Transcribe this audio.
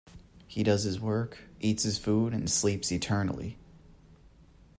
He does his work, eats his food, and sleeps eternally!